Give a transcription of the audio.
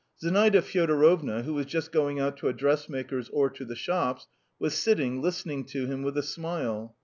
Zinaida Fyodorovna, who was just going out to a dressmaker's or to the shops, was sitting, listening to him with a smile.